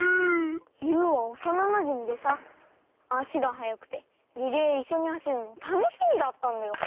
ユウはおさななじみでさあしがはやくてリレーいっしょにはしるのたのしみだったんだよ。